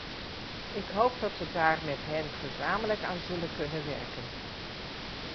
Ik hoop dat we daar met hen gezamenlijk aan zullen kunnen werken.